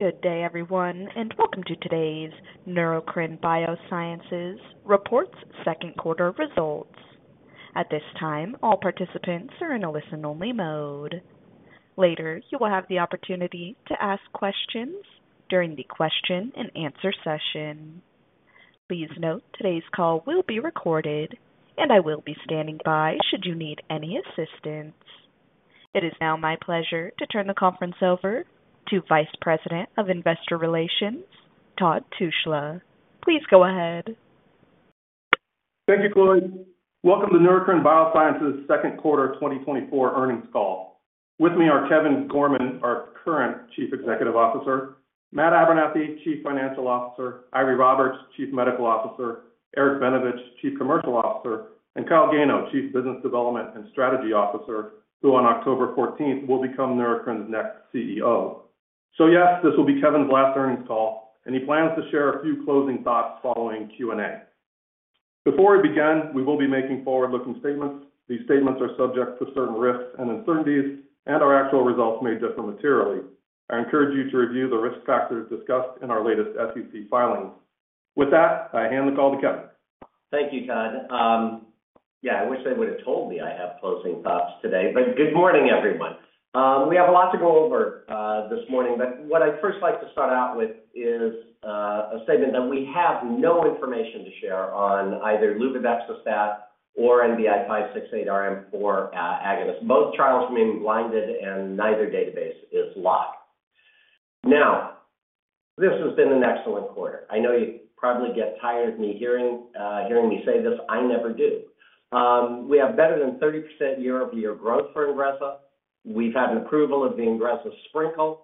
Good day, everyone, and welcome to today's Neurocrine Biosciences Reports Second Quarter Results. At this time, all participants are in a listen-only mode. Later, you will have the opportunity to ask questions during the question-and-answer session. Please note, today's call will be recorded, and I will be standing by should you need any assistance. It is now my pleasure to turn the conference over to Vice President of Investor Relations, Todd Tushla. Please go ahead. Thank you, Chloe. Welcome to Neurocrine Biosciences Second Quarter 2024 Earnings Call. With me are Kevin Gorman, our current Chief Executive Officer; Matt Abernethy, Chief Financial Officer; Eiry Roberts, Chief Medical Officer; Eric Benevich, Chief Commercial Officer; and Kyle Gano, Chief Business Development and Strategy Officer, who on October fourteenth, will become Neurocrine's next CEO. So yes, this will be Kevin's last earnings call, and he plans to share a few closing thoughts following Q&A. Before we begin, we will be making forward-looking statements. These statements are subject to certain risks and uncertainties, and our actual results may differ materially. I encourage you to review the risk factors discussed in our latest SEC filings. With that, I hand the call to Kevin. Thank you, Todd. Yeah, I wish they would have told me I have closing thoughts today, but good morning, everyone. We have a lot to go over this morning, but what I'd first like to start out with is a statement that we have no information to share on either luvadaxistat or NBI-568 M4 agonist. Both trials remain blinded and neither database is locked. Now, this has been an excellent quarter. I know you probably get tired of me hearing me say this. I never do. We have better than 30% year-over-year growth for INGREZZA. We've had an approval of the INGREZZA Sprinkle,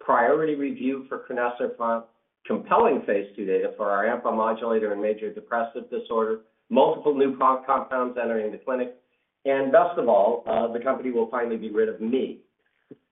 priority review for crinecerfont, compelling phase II data for our AMPA modulator and major depressive disorder, multiple new pro- compounds entering the clinic, and best of all, the company will finally be rid of me.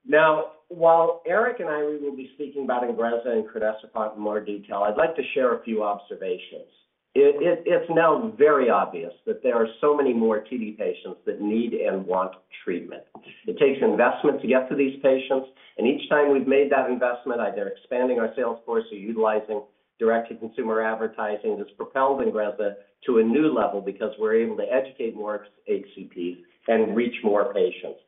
Now, while Eric and I will be speaking about INGREZZA and crinecerfont in more detail, I'd like to share a few observations. It's now very obvious that there are so many more TD patients that need and want treatment. It takes investment to get to these patients, and each time we've made that investment, either expanding our sales force or utilizing direct-to-consumer advertising, that's propelled INGREZZA to a new level because we're able to educate more HCPs and reach more patients.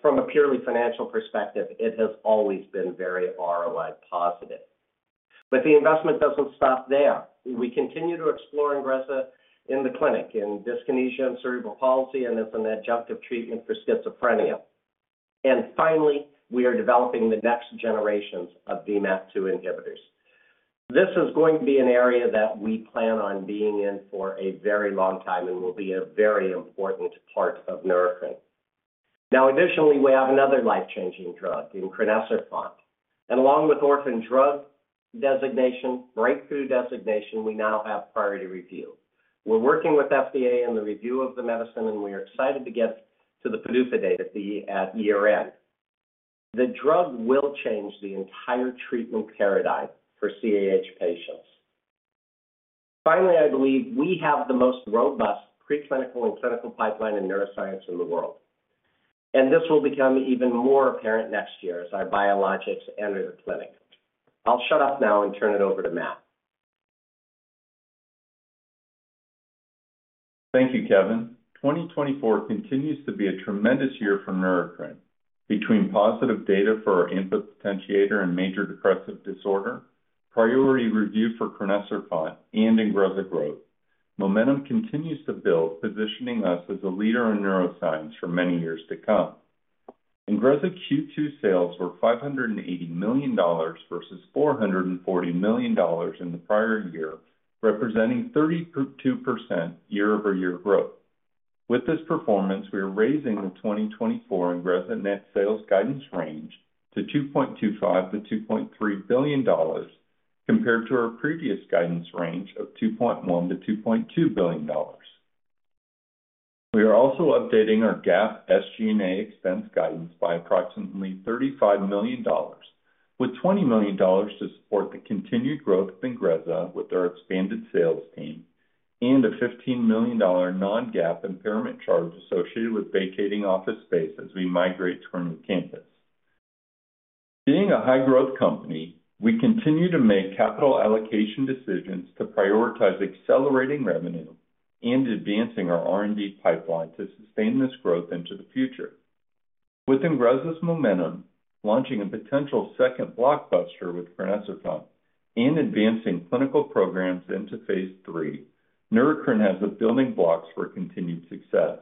From a purely financial perspective, it has always been very ROI positive. The investment doesn't stop there. We continue to explore INGREZZA in the clinic, in dyskinesia and cerebral palsy, and as an adjunctive treatment for schizophrenia. And finally, we are developing the next generations of VMAT2 inhibitors. This is going to be an area that we plan on being in for a very long time and will be a very important part of Neurocrine. Now, additionally, we have another life-changing drug in crinecerfont, and along with orphan drug designation, breakthrough designation, we now have priority review. We're working with FDA in the review of the medicine, and we are excited to get to the PDUFA date at year-end. The drug will change the entire treatment paradigm for CAH patients. Finally, I believe we have the most robust preclinical and clinical pipeline in neuroscience in the world, and this will become even more apparent next year as our biologics enter the clinic. I'll shut up now and turn it over to Matt. Thank you, Kevin. 2024 continues to be a tremendous year for Neurocrine. Between positive data for our AMPA potentiator and major depressive disorder, priority review for crinecerfont, and INGREZZA growth, momentum continues to build, positioning us as a leader in neuroscience for many years to come. INGREZZA Q2 sales were $580 million versus $440 million in the prior year, representing 32% year-over-year growth. With this performance, we are raising the 2024 INGREZZA net sales guidance range to $2.25 billion-$2.3 billion, compared to our previous guidance range of $2.1 billion-$2.2 billion. We are also updating our GAAP SG&A expense guidance by approximately $35 million, with $20 million to support the continued growth of INGREZZA with our expanded sales team and a $15 million non-GAAP impairment charge associated with vacating office space as we migrate to our new campus. Being a high-growth company, we continue to make capital allocation decisions to prioritize accelerating revenue and advancing our R&D pipeline to sustain this growth into the future. With INGREZZA'S momentum, launching a potential second blockbuster with crinecerfont, and advancing clinical programs into phase III, Neurocrine has the building blocks for continued success.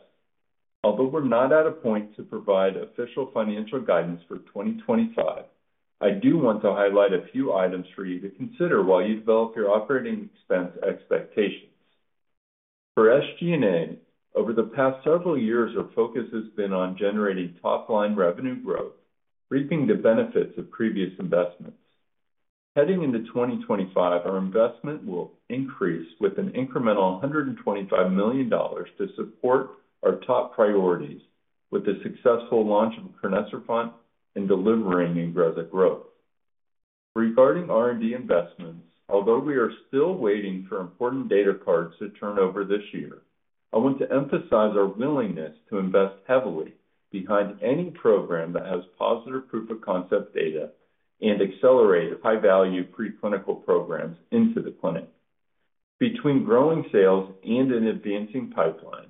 Although we're not at a point to provide official financial guidance for 2025, I do want to highlight a few items for you to consider while you develop your operating expense expectations. For SG&A, over the past several years, our focus has been on generating top-line revenue growth, reaping the benefits of previous investments. Heading into 2025, our investment will increase with an incremental $125 million to support our top priorities with the successful launch of crinecerfont and delivering INGREZZA growth. Regarding R&D investments, although we are still waiting for important data cards to turn over this year. I want to emphasize our willingness to invest heavily behind any program that has positive proof of concept data and accelerate high-value preclinical programs into the clinic. Between growing sales and an advancing pipeline,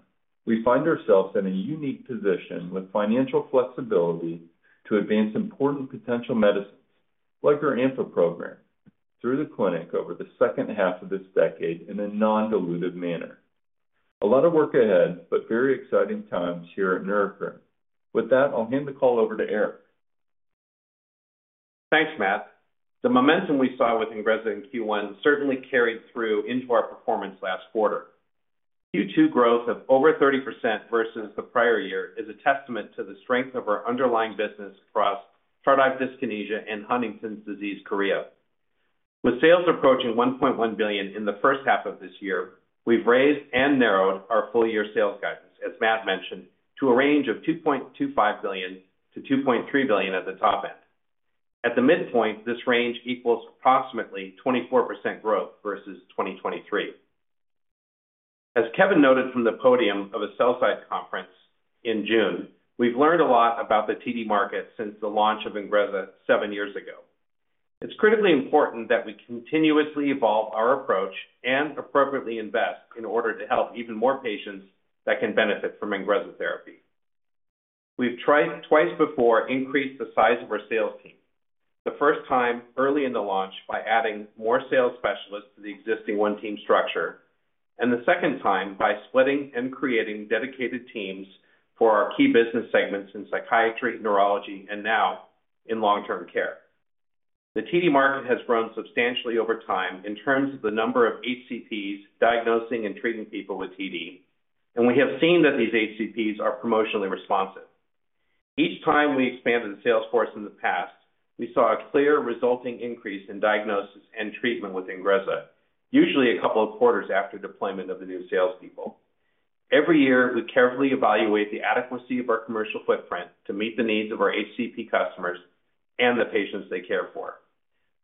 we find ourselves in a unique position with financial flexibility to advance important potential medicines like our AAV program, through the clinic over the second half of this decade in a non-dilutive manner. A lot of work ahead, but very exciting times here at Neurocrine. With that, I'll hand the call over to Eric. Thanks, Matt. The momentum we saw with INGREZZA in Q1 certainly carried through into our performance last quarter. Q2 growth of over 30% versus the prior year is a testament to the strength of our underlying business across tardive dyskinesia and Huntington's disease chorea. With sales approaching $1.1 billion in the first half of this year, we've raised and narrowed our full year sales guidance, as Matt mentioned, to a range of $2.25 billion-$2.3 billion at the top end. At the midpoint, this range equals approximately 24% growth versus 2023. As Kevin noted from the podium of a sell-side conference in June, we've learned a lot about the TD market since the launch of INGREZZA seven years ago. It's critically important that we continuously evolve our approach and appropriately invest in order to help even more patients that can benefit from INGREZZA therapy. We've tried twice before increased the size of our sales team. The first time, early in the launch, by adding more sales specialists to the existing one team structure, and the second time by splitting and creating dedicated teams for our key business segments in psychiatry, neurology, and now in long-term care. The TD market has grown substantially over time in terms of the number of HCPs diagnosing and treating people with TD, and we have seen that these HCPs are promotionally responsive. Each time we expanded the sales force in the past, we saw a clear resulting increase in diagnosis and treatment with INGREZZA, usually a couple of quarters after deployment of the new salespeople. Every year, we carefully evaluate the adequacy of our commercial footprint to meet the needs of our HCP customers and the patients they care for.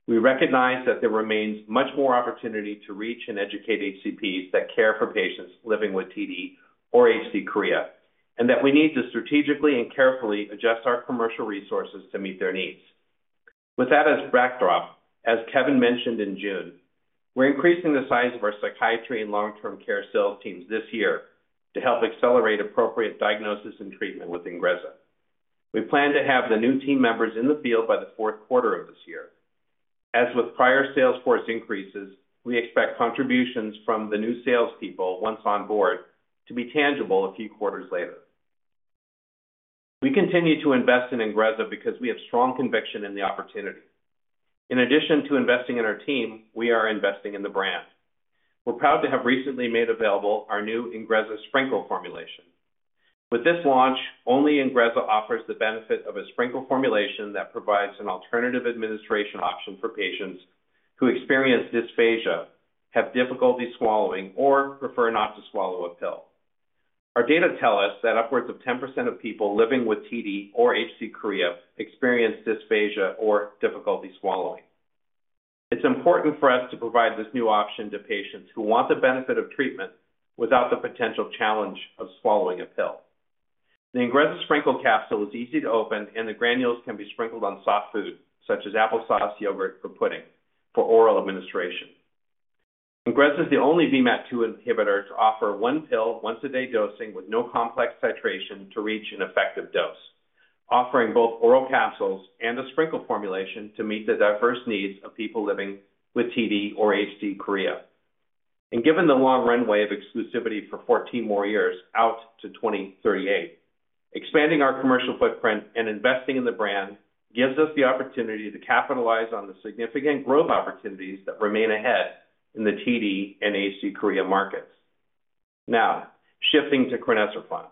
We recognize that there remains much more opportunity to reach and educate HCPs that care for patients living with TD or HD Chorea, and that we need to strategically and carefully adjust our commercial resources to meet their needs. With that as backdrop, as Kevin mentioned in June, we're increasing the size of our psychiatry and long-term care sales teams this year to help accelerate appropriate diagnosis and treatment with INGREZZA. We plan to have the new team members in the field by the fourth quarter of this year. As with prior sales force increases, we expect contributions from the new salespeople once on board to be tangible a few quarters later. We continue to invest in INGREZZA because we have strong conviction in the opportunity. In addition to investing in our team, we are investing in the brand. We're proud to have recently made available our new INGREZZA Sprinkle formulation. With this launch, only INGREZZA offers the benefit of a sprinkle formulation that provides an alternative administration option for patients who experience dysphagia, have difficulty swallowing, or prefer not to swallow a pill. Our data tell us that upwards of 10% of people living with TD or HD Chorea experience dysphagia or difficulty swallowing. It's important for us to provide this new option to patients who want the benefit of treatment without the potential challenge of swallowing a pill. The INGREZZA Sprinkle capsule is easy to open, and the granules can be sprinkled on soft food, such as applesauce, yogurt, or pudding for oral administration. INGREZZA is the only VMAT-2 inhibitor to offer one pill once a day dosing with no complex titration to reach an effective dose, offering both oral capsules and a sprinkle formulation to meet the diverse needs of people living with TD or HD Chorea. Given the long runway of exclusivity for 14 more years out to 2038, expanding our commercial footprint and investing in the brand gives us the opportunity to capitalize on the significant growth opportunities that remain ahead in the TD and HD Chorea markets. Now, shifting to crinecerfont.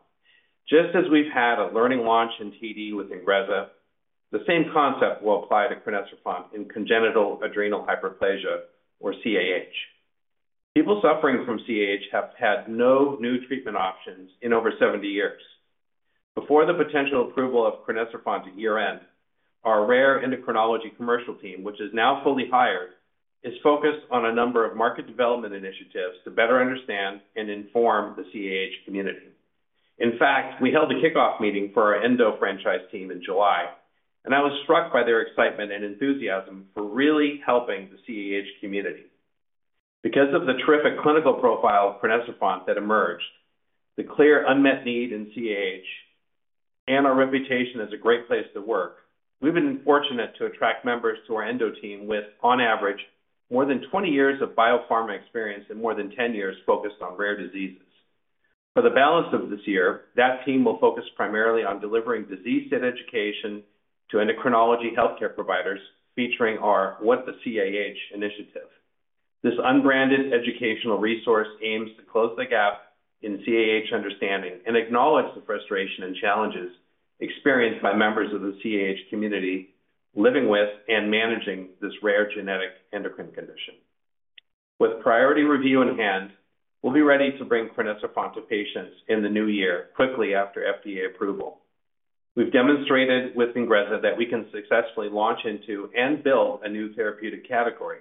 Just as we've had a learning launch in TD with INGREZZA, the same concept will apply to crinecerfont in congenital adrenal hyperplasia or CAH. People suffering from CAH have had no new treatment options in over 70 years. Before the potential approval of crinecerfont through year-end, our rare endocrinology commercial team, which is now fully hired, is focused on a number of market development initiatives to better understand and inform the CAH community. In fact, we held a kickoff meeting for our Endo franchise team in July, and I was struck by their excitement and enthusiasm for really helping the CAH community. Because of the terrific clinical profile of crinecerfont that emerged, the clear unmet need in CAH and our reputation as a great place to work, we've been fortunate to attract members to our Endo team with, on average, more than 20 years of biopharma experience and more than 10 years focused on rare diseases. For the balance of this year, that team will focus primarily on delivering disease and education to endocrinology healthcare providers, featuring our What the CAH?! initiative. This unbranded educational resource aims to close the gap in CAH understanding and acknowledge the frustration and challenges experienced by members of the CAH community living with and managing this rare genetic endocrine condition. With Priority Review in hand, we'll be ready to bring crinecerfont to patients in the new year quickly after FDA approval. ...We've demonstrated with INGREZZA that we can successfully launch into and build a new therapeutic category.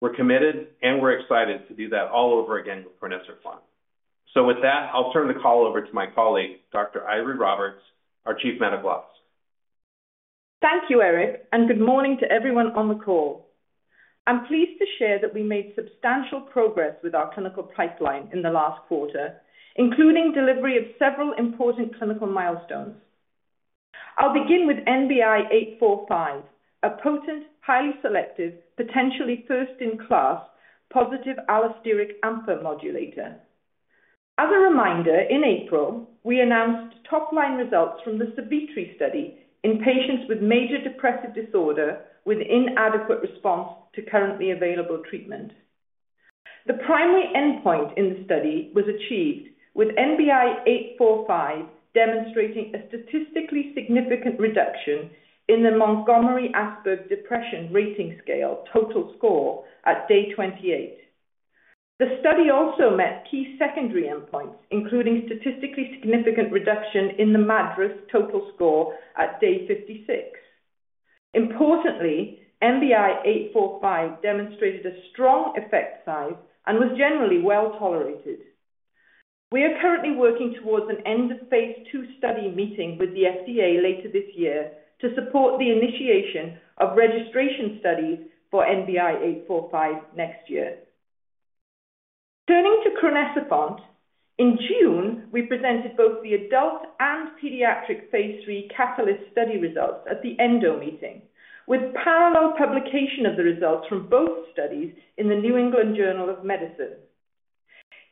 We're committed, and we're excited to do that all over again with crinecerfont. With that, I'll turn the call over to my colleague, Dr. Eiry Roberts, our Chief Medical Officer. Thank you, Eric, and good morning to everyone on the call. I'm pleased to share that we made substantial progress with our clinical pipeline in the last quarter, including delivery of several important clinical milestones. I'll begin with NBI-845, a potent, highly selective, potentially first-in-class, positive allosteric AMPA modulator. As a reminder, in April, we announced top-line results from the SAVITRI study in patients with major depressive disorder with inadequate response to currently available treatment. The primary endpoint in the study was achieved, with NBI-845 demonstrating a statistically significant reduction in the Montgomery-Åsberg Depression Rating Scale total score at day 28. The study also met key secondary endpoints, including statistically significant reduction in the MADRS total score at day 56. Importantly, NBI-845 demonstrated a strong effect size and was generally well tolerated. We are currently working towards an end-of-phase II study meeting with the FDA later this year to support the initiation of registration studies for NBI-845 next year. Turning to crinecerfont, in June, we presented both the adult and pediatric phase III CAHtalyst study results at the ENDO meeting, with parallel publication of the results from both studies in the New England Journal of Medicine.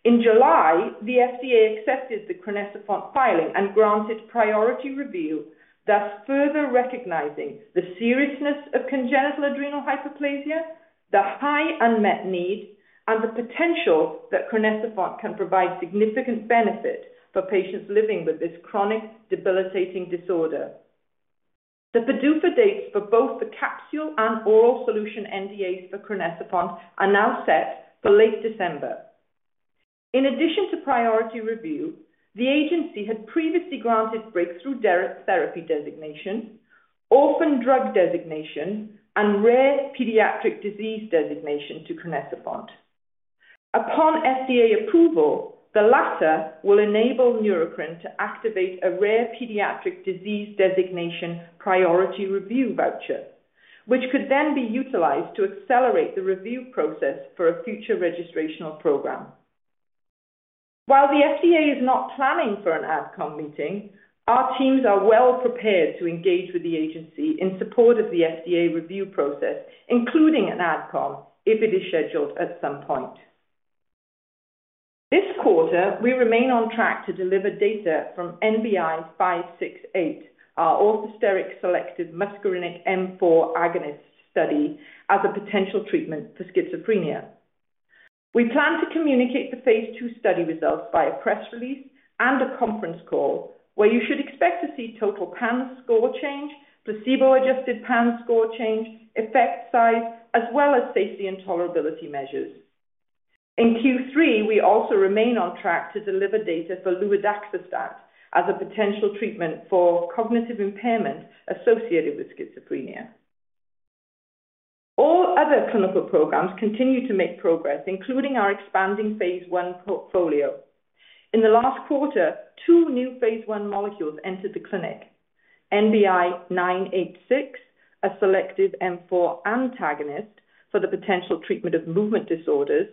In July, the FDA accepted the crinecerfont filing and granted priority review, thus further recognizing the seriousness of congenital adrenal hyperplasia, the high unmet need, and the potential that crinecerfont can provide significant benefit for patients living with this chronic, debilitating disorder. The PDUFA dates for both the capsule and oral solution NDAs for crinecerfont are now set for late December. In addition to priority review, the agency had previously granted breakthrough therapy designation, orphan drug designation, and rare pediatric disease designation to crinecerfont. Upon FDA approval, the latter will enable Neurocrine to activate a rare pediatric disease designation priority review voucher, which could then be utilized to accelerate the review process for a future registrational program. While the FDA is not planning for an AdCom meeting, our teams are well prepared to engage with the agency in support of the FDA review process, including an AdCom, if it is scheduled at some point. This quarter, we remain on track to deliver data from NBI-568, our orthosteric selective muscarinic M4 agonist study, as a potential treatment for schizophrenia. We plan to communicate the phase II study results by a press release and a conference call, where you should expect to see total PANSS score change, placebo-adjusted PANSS score change, effect size, as well as safety and tolerability measures. In Q3, we also remain on track to deliver data for luvadaxistat as a potential treatment for cognitive impairment associated with schizophrenia. All other clinical programs continue to make progress, including our expanding phase I portfolio. In the last quarter, two new phase I molecules entered the clinic: NBI-986, a selective M4 antagonist for the potential treatment of movement disorders,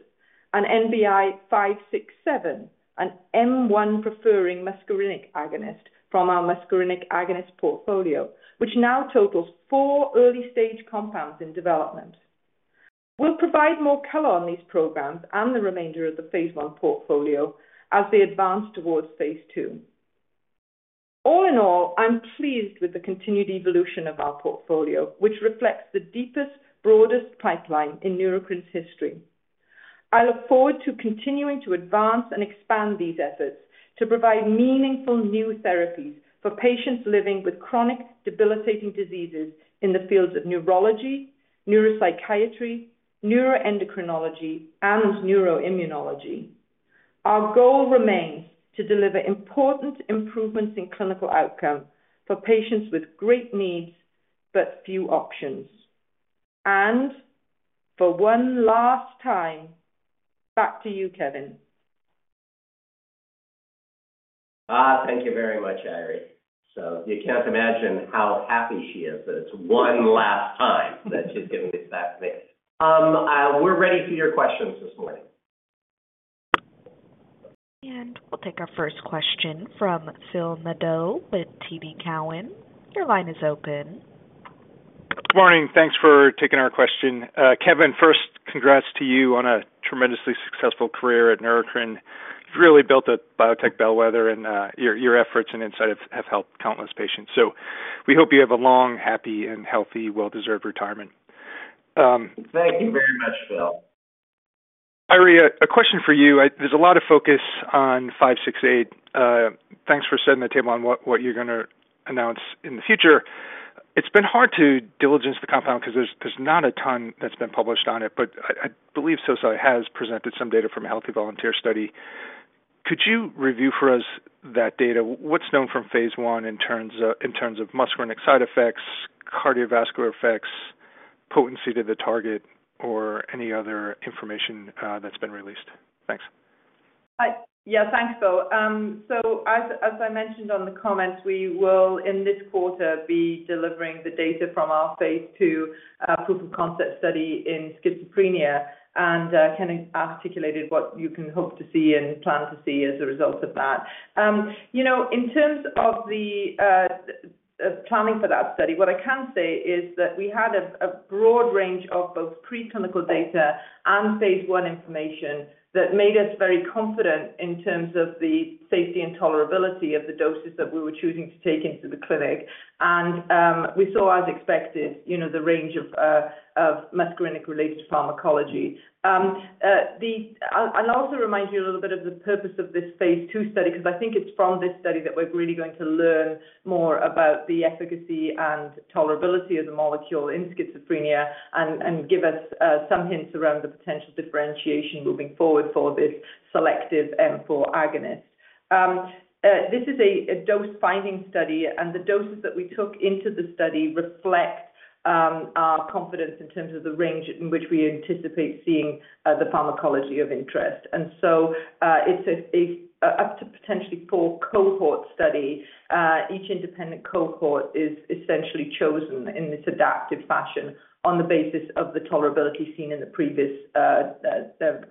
and NBI-567, an M1-preferring muscarinic agonist from our muscarinic agonist portfolio, which now totals four early-stage compounds in development. We'll provide more color on these programs and the remainder of the phase I portfolio as they advance towards phase II. All in all, I'm pleased with the continued evolution of our portfolio, which reflects the deepest, broadest pipeline in Neurocrine's history. I look forward to continuing to advance and expand these efforts to provide meaningful new therapies for patients living with chronic, debilitating diseases in the fields of neurology, neuropsychiatry, neuroendocrinology, and neuroimmunology. Our goal remains to deliver important improvements in clinical outcome for patients with great needs but few options. For one last time, back to you, Kevin. Ah, thank you very much, Eiry. So you can't imagine how happy she is that it's one last time that she's giving this update. We're ready for your questions this morning. We'll take our first question from Phil Nadeau with TD Cowen. Your line is open. Good morning. Thanks for taking our question. Kevin, first, congrats to you on a tremendously successful career at Neurocrine. You've really built a biotech bellwether, and your efforts and insight have helped countless patients. So we hope you have a long, happy, and healthy, well-deserved retirement. Thank you very much, Phil. Eiry, a question for you. There's a lot of focus on 568. Thanks for setting the table on what you're gonna announce in the future.... It's been hard to diligence the compound because there's not a ton that's been published on it, but I believe Sosei has presented some data from a healthy volunteer study. Could you review for us that data? What's known from phase I in terms of muscarinic side effects, cardiovascular effects, potency to the target, or any other information that's been released? Thanks. Yeah, thanks, Phil. So as I mentioned on the comments, we will, in this quarter, be delivering the data from our phase II proof of concept study in schizophrenia and kind of articulated what you can hope to see and plan to see as a result of that. You know, in terms of the planning for that study, what I can say is that we had a broad range of both preclinical data and phase I information that made us very confident in terms of the safety and tolerability of the doses that we were choosing to take into the clinic. We saw, as expected, you know, the range of muscarinic-related pharmacology. I'll also remind you a little bit of the purpose of this phase II study, because I think it's from this study that we're really going to learn more about the efficacy and tolerability of the molecule in schizophrenia and give us some hints around the potential differentiation moving forward for this selective M4 agonist. This is a dose-finding study, and the doses that we took into the study reflect our confidence in terms of the range in which we anticipate seeing the pharmacology of interest. And so, it's a up to potentially four cohort study. Each independent cohort is essentially chosen in this adaptive fashion on the basis of the tolerability seen in the previous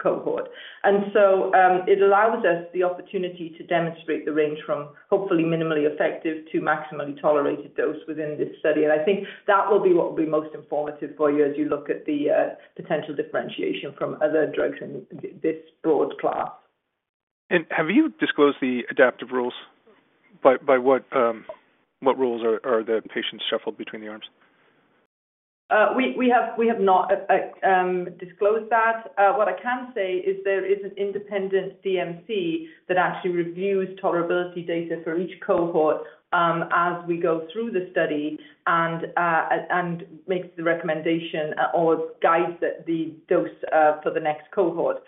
cohort. And so, it allows us the opportunity to demonstrate the range from hopefully minimally effective to maximally tolerated dose within this study. And I think that will be what will be most informative for you as you look at the potential differentiation from other drugs in this broad class. Have you disclosed the adaptive rules? By what rules are the patients shuffled between the arms? We have not disclosed that. What I can say is there is an independent DMC that actually reviews tolerability data for each cohort as we go through the study and makes the recommendation or guides the dose for the next cohort.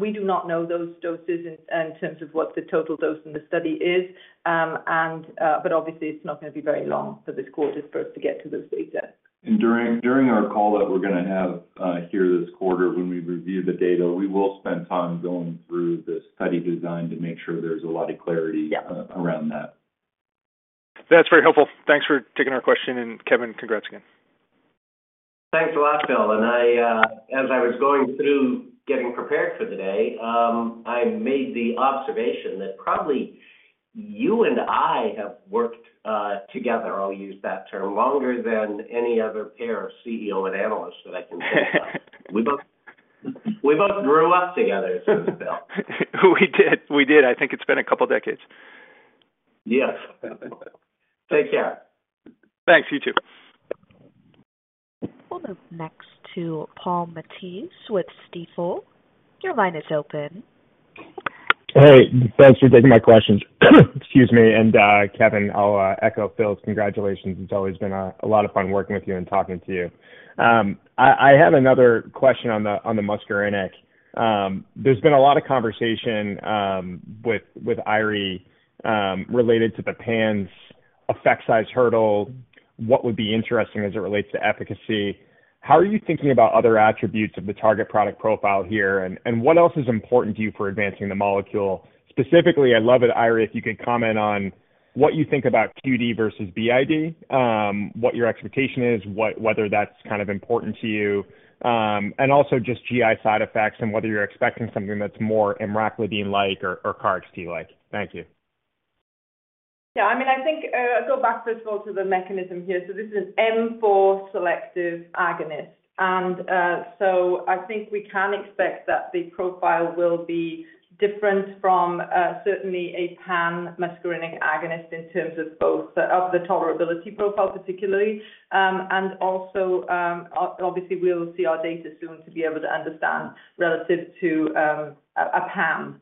We do not know those doses in terms of what the total dose in the study is, but obviously it's not going to be very long for this quarter for us to get to those data. During our call that we're gonna have here this quarter when we review the data, we will spend time going through the study design to make sure there's a lot of clarity. Yeah. around that. That's very helpful. Thanks for taking our question, and Kevin, congrats again. Thanks a lot, Phil. And I, as I was going through getting prepared for the day, I made the observation that probably you and I have worked, together, I'll use that term, longer than any other pair of CEO and analysts that I can think of. We both, we both grew up together, so Phil. We did. We did. I think it's been a couple of decades. Yes. Take care. Thanks. You, too. We'll move next to Paul Matteis with Stifel. Your line is open. Hey, thanks for taking my questions. Excuse me. And, Kevin, I'll echo Phil's congratulations. It's always been a lot of fun working with you and talking to you. I had another question on the muscarinic. There's been a lot of conversation with Eiry related to the PANSS's effect size hurdle, what would be interesting as it relates to efficacy. How are you thinking about other attributes of the target product profile here, and what else is important to you for advancing the molecule? Specifically, I'd love it, Eiry, if you could comment on what you think about QD versus BID, what your expectation is, whether that's kind of important to you, and also just GI side effects and whether you're expecting something that's more emraclidine-like or KarXT-like. Thank you. Yeah, I mean, I think, I'll go back first of all to the mechanism here. So this is an M4 selective agonist, and so I think we can expect that the profile will be different from certainly a pan-muscarinic agonist in terms of both of the tolerability profile, particularly, and also, obviously, we'll see our data soon to be able to understand relative to a PAN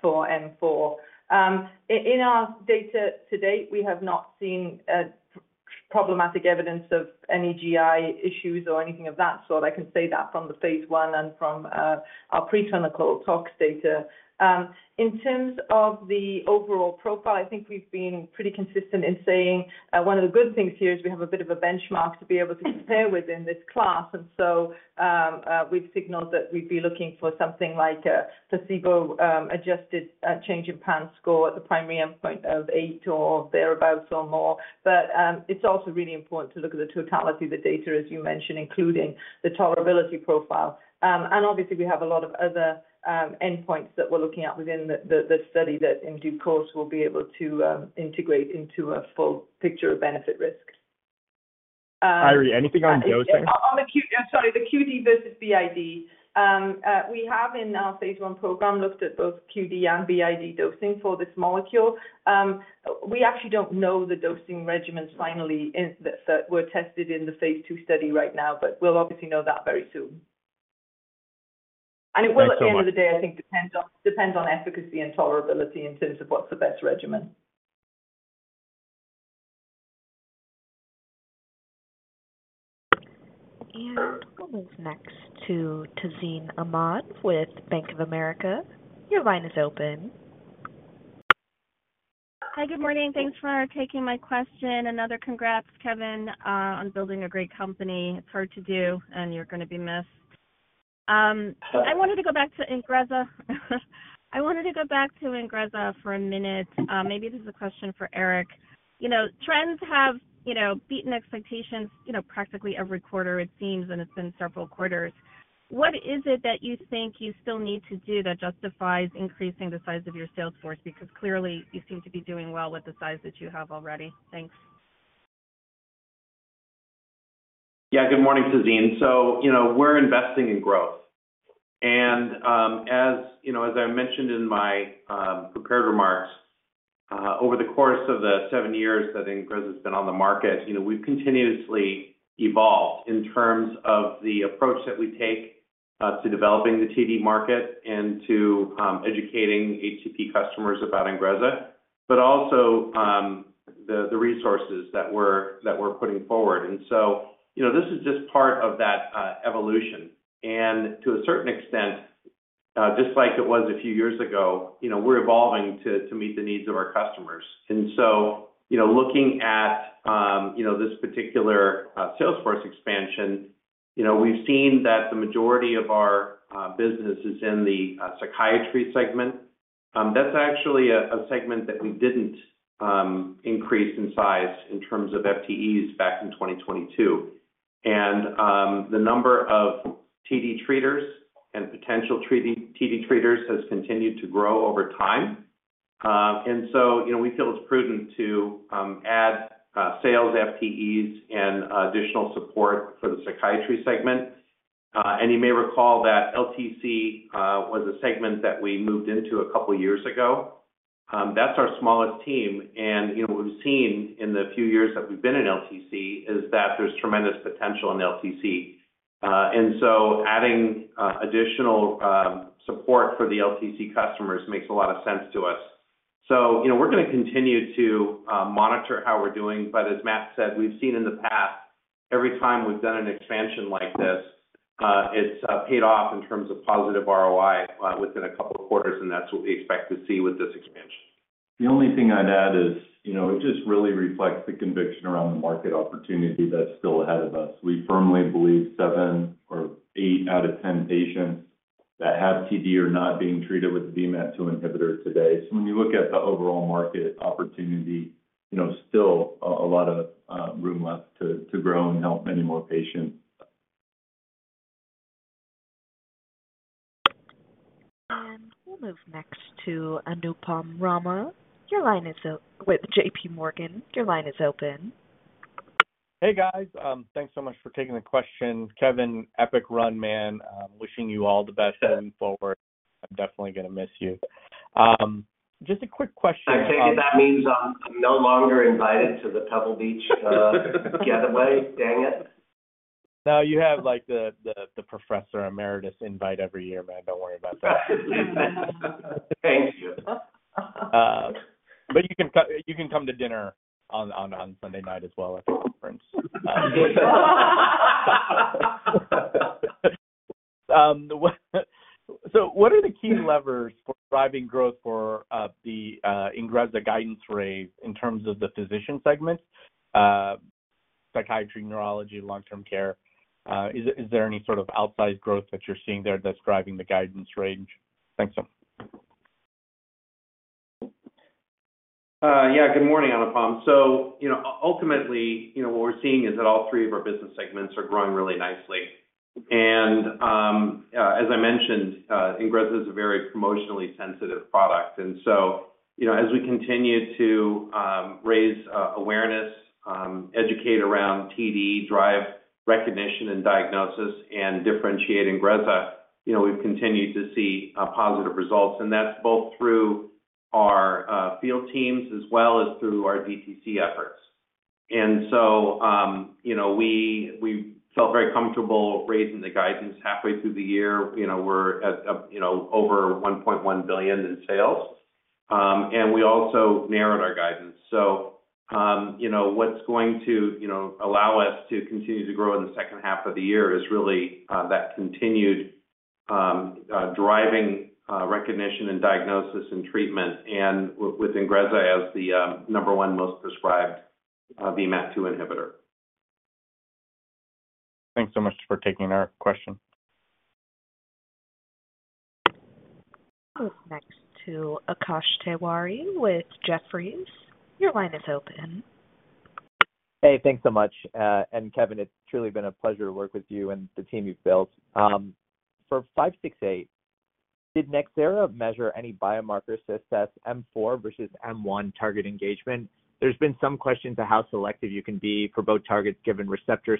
for M4. In our data to date, we have not seen problematic evidence of any GI issues or anything of that sort. I can say that from the phase I and from our preclinical talks data. In terms of the overall profile, I think we've been pretty consistent in saying one of the good things here is we have a bit of a benchmark to be able to compare within this class. And so, we've signaled that we'd be looking for something like a placebo-adjusted change in PAN score at the primary endpoint of 8 or thereabout or more. But it's also really important to look at the totality of the data, as you mentioned, including the tolerability profile. And obviously, we have a lot of other endpoints that we're looking at within the study that in due course, we'll be able to integrate into a full picture of benefit risk. Eiry, anything on dosing? Sorry, the QD versus BID. We have in our phase I program looked at both QD and BID dosing for this molecule. We actually don't know the dosing regimens finally in that were tested in the phase II study right now, but we'll obviously know that very soon. ... And it will, at the end of the day, I think, depend on efficacy and tolerability in terms of what's the best regimen. We'll move next to Tazeen Ahmad with Bank of America. Your line is open. Hi, good morning. Thanks for taking my question. Another congrats, Kevin, on building a great company. It's hard to do, and you're gonna be missed. So I wanted to go back to INGREZZA. I wanted to go back to INGREZZA for a minute. Maybe this is a question for Eric. You know, trends have, you know, beaten expectations, you know, practically every quarter it seems, and it's been several quarters. What is it that you think you still need to do that justifies increasing the size of your sales force? Because clearly, you seem to be doing well with the size that you have already. Thanks. Yeah, good morning, Tazeen. So, you know, we're investing in growth. And, as you know, as I mentioned in my prepared remarks, over the course of the seven years that INGREZZA has been on the market, you know, we've continuously evolved in terms of the approach that we take to developing the TD market and to educating HCP customers about INGREZZA, but also the resources that we're putting forward. And so, you know, this is just part of that evolution. And to a certain extent, just like it was a few years ago, you know, we're evolving to meet the needs of our customers. And so, you know, looking at this particular sales force expansion, you know, we've seen that the majority of our business is in the psychiatry segment. That's actually a segment that we didn't increase in size in terms of FTEs back in 2022. And the number of TD treaters and potential TD treaters has continued to grow over time. And so, you know, we feel it's prudent to add sales FTEs and additional support for the psychiatry segment. And you may recall that LTC was a segment that we moved into a couple of years ago. That's our smallest team, and, you know, we've seen in the few years that we've been in LTC, is that there's tremendous potential in LTC. And so adding additional support for the LTC customers makes a lot of sense to us. You know, we're gonna continue to monitor how we're doing, but as Matt said, we've seen in the past, every time we've done an expansion like this, it's paid off in terms of positive ROI within a couple of quarters, and that's what we expect to see with this expansion. The only thing I'd add is, you know, it just really reflects the conviction around the market opportunity that's still ahead of us. We firmly believe 7 or 8 out of 10 patients that have TD are not being treated with the VMAT2 inhibitor today. So when you look at the overall market opportunity, you know, still a lot of room left to grow and help many more patients. We'll move next to Anupam Rama. Your line is open with JPMorgan. Your line is open. Hey, guys, thanks so much for taking the question. Kevin, epic run, man. I'm wishing you all the best moving forward. I'm definitely gonna miss you. Just a quick question- I take it that means I'm no longer invited to the Pebble Beach getaway? Dang it. No, you have like, the professor emeritus invite every year, man. Don't worry about that. Thank you. But you can come to dinner on Sunday night as well at the conference. So what are the key levers for driving growth for the INGREZZA guidance range in terms of the physician segment, psychiatry, neurology, long-term care? Is there any sort of outsized growth that you're seeing there that's driving the guidance range? Thanks so much. Yeah, good morning, Anupam. So, you know, ultimately, you know, what we're seeing is that all three of our business segments are growing really nicely. And, as I mentioned, INGREZZA is a very promotionally sensitive product. And so, you know, as we continue to raise awareness, educate around TD, drive recognition and diagnosis, and differentiate INGREZZA, you know, we've continued to see positive results, and that's both through our field teams as well as through our DTC efforts. And so, you know, we felt very comfortable raising the guidance halfway through the year. You know, we're at, you know, over $1.1 billion in sales. And we also narrowed our guidance. So, you know, what's going to you know allow us to continue to grow in the second half of the year is really that continued driving recognition and diagnosis and treatment, and with INGREZZA as the number one most prescribed VMAT2 inhibitor. Thanks so much for taking our question. Next to Akash Tewari with Jefferies. Your line is open. Hey, thanks so much. And Kevin, it's truly been a pleasure to work with you and the team you've built. For NBI-568, did Nxera measure any biomarkers to assess M4 versus M1 target engagement? There's been some question to how selective you can be for both targets, given receptor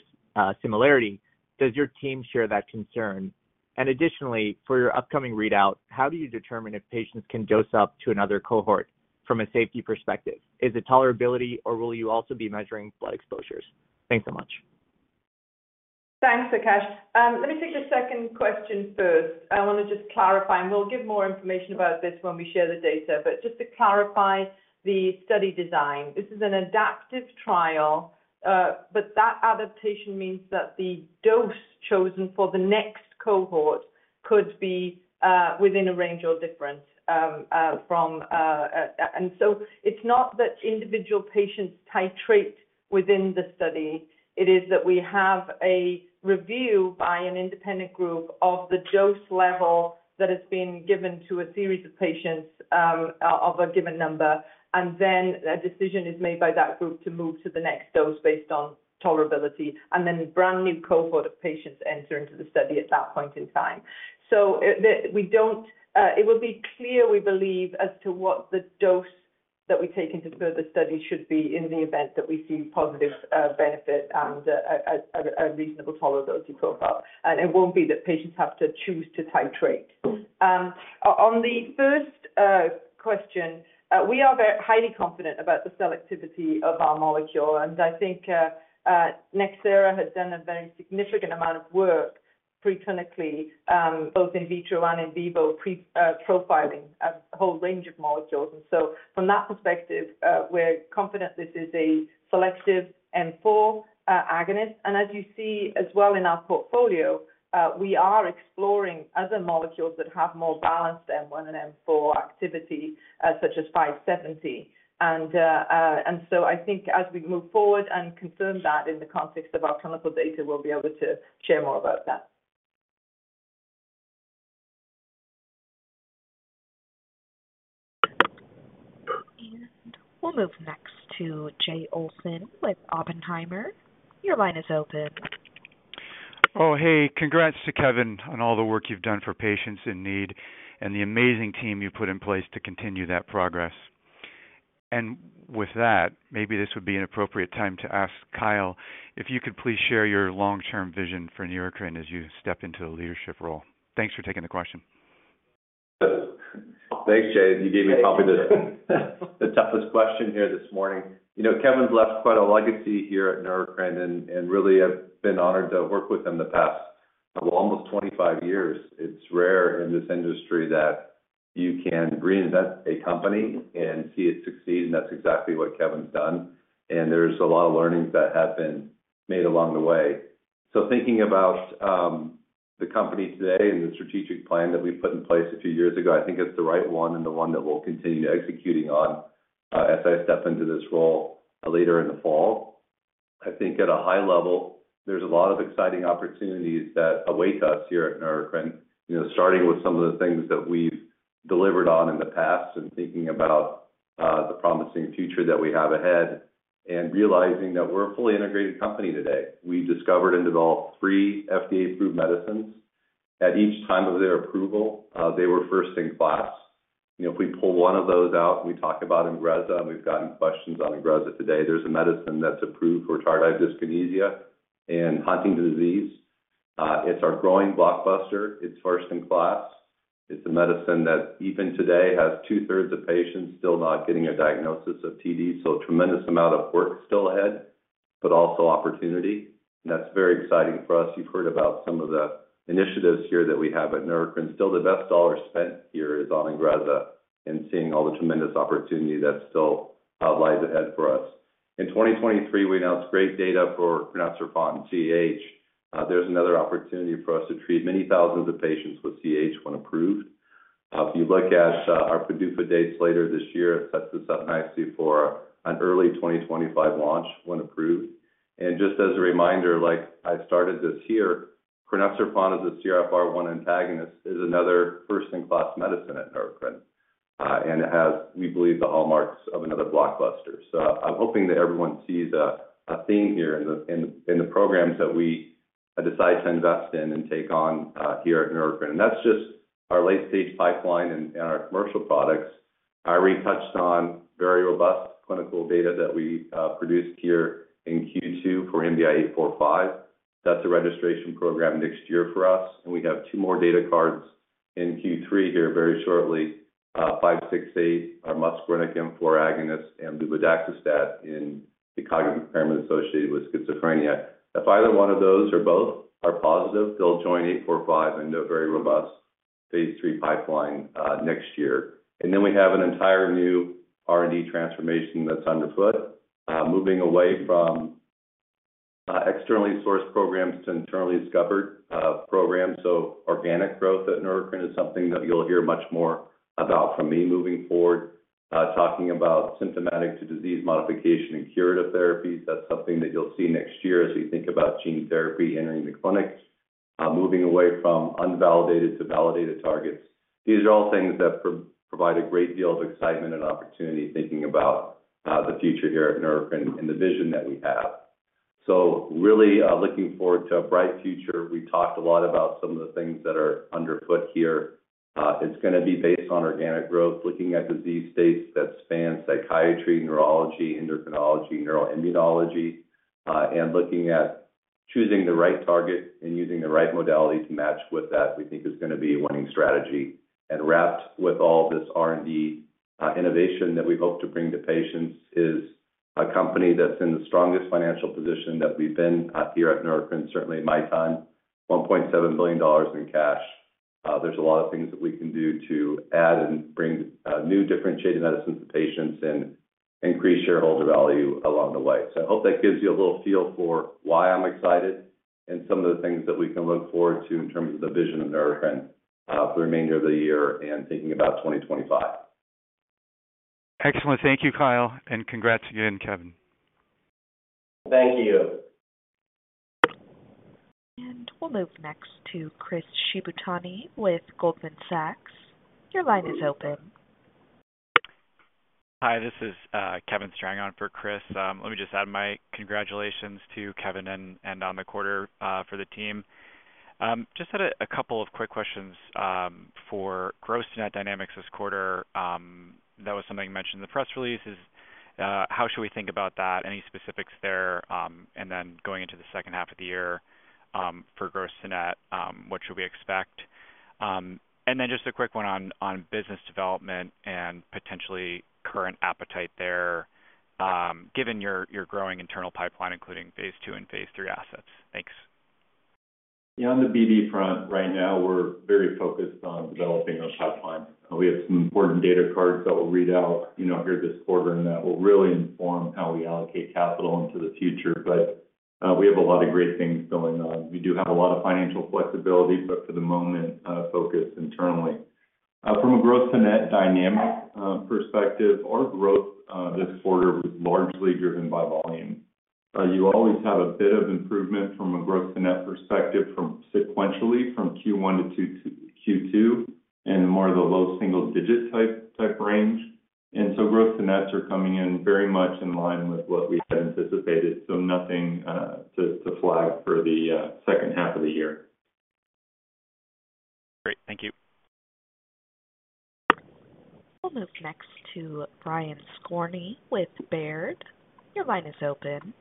similarity. Does your team share that concern? And additionally, for your upcoming readout, how do you determine if patients can dose up to another cohort from a safety perspective? Is it tolerability, or will you also be measuring blood exposures? Thanks so much.... Thanks, Akash. Let me take your second question first. I want to just clarify, and we'll give more information about this when we share the data, but just to clarify the study design. This is an adaptive trial, but that adaptation means that the dose chosen for the next cohort could be within a range or difference from... And so it's not that individual patients titrate within the study. It is that we have a review by an independent group of the dose level that has been given to a series of patients of a given number, and then a decision is made by that group to move to the next dose based on tolerability, and then a brand new cohort of patients enter into the study at that point in time. So it will be clear, we believe, as to what the dose that we take into further study should be in the event that we see positive benefit and a reasonable tolerability profile. And it won't be that patients have to choose to titrate. On the first question, we are very highly confident about the selectivity of our molecule, and I think Nxera has done a very significant amount of work preclinically, both in vitro and in vivo, profiling a whole range of molecules. And so from that perspective, we're confident this is a selective M4 agonist. And as you see as well in our portfolio, we are exploring other molecules that have more balanced M1 and M4 activity, such as 570. So I think as we move forward and confirm that in the context of our clinical data, we'll be able to share more about that. We'll move next to Jay Olsen with Oppenheimer. Your line is open. Oh, hey, congrats to Kevin on all the work you've done for patients in need and the amazing team you put in place to continue that progress. With that, maybe this would be an appropriate time to ask Kyle, if you could please share your long-term vision for Neurocrine as you step into the leadership role. Thanks for taking the question. Thanks, Jay. You gave me probably the toughest question here this morning. You know, Kevin's left quite a legacy here at Neurocrine, and really, I've been honored to work with him the past, well, almost 25 years. It's rare in this industry that you can reinvent a company and see it succeed, and that's exactly what Kevin's done, and there's a lot of learnings that have been made along the way. So thinking about the company today and the strategic plan that we put in place a few years ago, I think it's the right one and the one that we'll continue executing on as I step into this role later in the fall. I think at a high level, there's a lot of exciting opportunities that await us here at Neurocrine. You know, starting with some of the things that we've delivered on in the past and thinking about the promising future that we have ahead and realizing that we're a fully integrated company today. We discovered and developed three FDA-approved medicines. At each time of their approval, they were first in class. You know, if we pull one of those out, and we talk about INGREZZA, and we've gotten questions on INGREZZA today, there's a medicine that's approved for tardive dyskinesia and Huntington's disease. It's our growing blockbuster. It's first in class. It's a medicine that, even today, has two-thirds of patients still not getting a diagnosis of TD, so a tremendous amount of work still ahead, but also opportunity. That's very exciting for us. You've heard about some of the initiatives here that we have at Neurocrine. Still, the best dollar spent here is on INGREZZA and seeing all the tremendous opportunity that still lies ahead for us. In 2023, we announced great data for crinecerfont and CAH. There's another opportunity for us to treat many thousands of patients with CAH when approved. If you look at our PDUFA dates later this year, it sets us up nicely for an early 2025 launch when approved. And just as a reminder, like I started this year, crinecerfont as a CRF1 antagonist is another first-in-class medicine at Neurocrine, and it has, we believe, the hallmarks of another blockbuster. So I'm hoping that everyone sees a theme here in the programs that we decide to invest in and take on here at Neurocrine. And that's just our late-stage pipeline and our commercial products. I already touched on very robust clinical data that we produced here in Q2 for NBI-845. That's a registration program next year for us, and we have two more data cards in Q3 here very shortly. NBI-568, our muscarinic M4 agonist and luvadaxistat in the cognitive impairment associated with schizophrenia. If either one of those or both are positive, they'll join NBI-845 into a very robust phase III pipeline next year. And then we have an entire new R&D transformation that's underfoot. Moving away from externally sourced programs to internally discovered programs. So organic growth at Neurocrine is something that you'll hear much more about from me moving forward. Talking about symptomatic to disease modification and curative therapies, that's something that you'll see next year as you think about gene therapy entering the clinic. Moving away from unvalidated to validated targets. These are all things that provide a great deal of excitement and opportunity, thinking about the future here at Neurocrine and the vision that we have. So really looking forward to a bright future. We talked a lot about some of the things that are underfoot here. It's gonna be based on organic growth, looking at disease states that span psychiatry, neurology, endocrinology, neuroimmunology, and looking at choosing the right target and using the right modality to match with that, we think is gonna be a winning strategy. And wrapped with all this R&D-... innovation that we hope to bring to patients, is a company that's in the strongest financial position that we've been at here at Neurocrine, certainly in my time, $1.7 billion in cash. There's a lot of things that we can do to add and bring, new differentiated medicines to patients and increase shareholder value along the way. So I hope that gives you a little feel for why I'm excited and some of the things that we can look forward to in terms of the vision of Neurocrine, for the remainder of the year and thinking about 2025. Excellent. Thank you, Kyle, and congrats again, Kevin. Thank you. We'll move next to Chris Shibutani with Goldman Sachs. Your line is open. Hi, this is Kevin Strang on for Chris. Let me just add my congratulations to Kevin and on the quarter for the team. Just had a couple of quick questions for gross net dynamics this quarter. That was something you mentioned in the press release. How should we think about that? Any specifics there, and then going into the second half of the year, for gross to net, what should we expect? And then just a quick one on business development and potentially current appetite there, given your growing internal pipeline, including phase II and phase III assets. Thanks. Yeah, on the BD front, right now, we're very focused on developing those pipelines. We have some important data cards that will read out, you know, here this quarter, and that will really inform how we allocate capital into the future. But we have a lot of great things going on. We do have a lot of financial flexibility, but for the moment, focused internally. From a growth to net dynamic perspective, our growth this quarter was largely driven by volume. You always have a bit of improvement from a growth to net perspective from sequentially from Q1 to Q2, and more of the low single digit type range. And so growth to nets are coming in very much in line with what we had anticipated, so nothing to flag for the second half of the year. Great. Thank you. We'll move next to Brian Skorney with Baird. Your line is open.